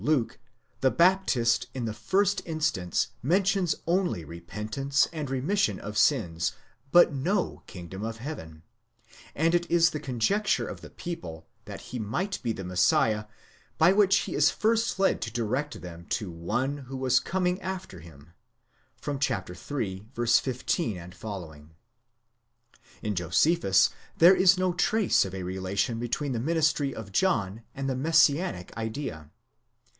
Luke, the Baptist in the first instance mentions only repentance and remission of sins, but no kingdom of heaven; and it is the conjecture of the people, that he might be the Messiah, by which he is first led to direct them to one who was coming after him (iii. 15 ff.). In Josephus, there is no trace of a relation between the ministry of John and the Messianic idea.